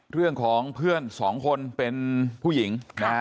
เรื่องของเพื่อนสองคนเป็นผู้หญิงนะฮะ